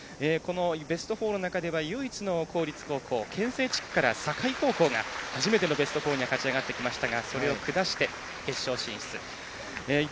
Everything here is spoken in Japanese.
ベスト４の中では唯一境高校が初めてのベスト４に勝ち上がってきましたがそれを抑えての準決勝進出。